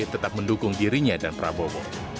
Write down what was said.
tetap mendukung dirinya dan prabowo